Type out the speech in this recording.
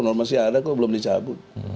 normasi ada kok belum dicabut